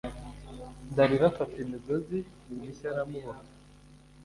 dalila afata imigozi mishya aramuboha